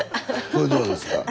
これどうですか？